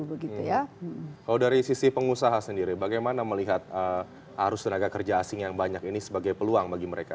kalau dari sisi pengusaha sendiri bagaimana melihat arus tenaga kerja asing yang banyak ini sebagai peluang bagi mereka